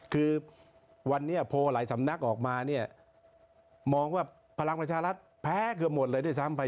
คือวันนี้โพลหลายสำนักออกมาเนี่ยมองว่าพลังประชารัฐแพ้เกือบหมดเลยด้วยซ้ำไป